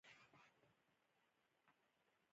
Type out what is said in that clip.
کمزوری بازار د بیروزګارۍ لامل کېږي.